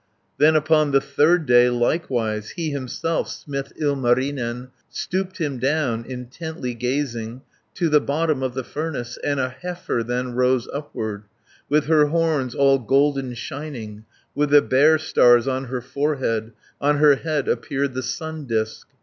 Then upon the third day likewise, He himself, smith Ilmarinen, Stooped him down, intently gazing To the bottom of the furnace, 360 And a heifer then rose upward, With her horns all golden shining, With the Bear stars on her forehead; On her head appeared the Sun disc.